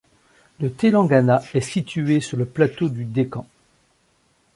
Le Télangana est situé sur le plateau du Deccan.